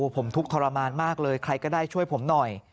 ผมทุกข์ทรมานมากเลยใครก็ได้ช่วยผมหน่อย